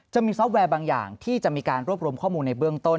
จะมีซอฟต์แวร์บางอย่างที่จะมีการรวบรวมข้อมูลในเบื้องต้น